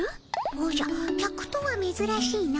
おじゃ客とはめずらしいの。